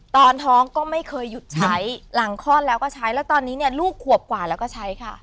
ตอนท้องก็ไม่เคยหยุดใช้หลังคลอดแล้วก็ใช้แล้วตอนนี้เนี่ยลูกขวบกว่าแล้วก็ใช้ค่ะ